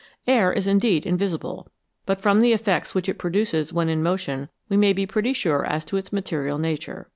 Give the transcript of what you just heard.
Air is indeed invisible, but from the effects which it produces when in motion we may be pretty sure as to its material nature.